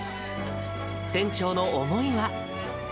店長の思いは。